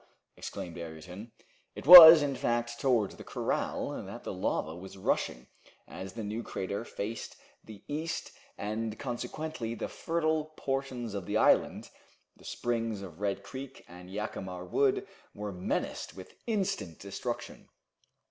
exclaimed Ayrton. It was, in fact, towards the corral that the lava was rushing as the new crater faced the east, and consequently the fertile portions of the island, the springs of Red Creek and Jacamar Wood, were menaced with instant destruction.